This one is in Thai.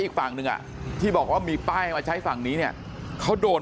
อีกฝั่งหนึ่งอ่ะที่บอกว่ามีป้ายมาใช้ฝั่งนี้เนี่ยเขาโดน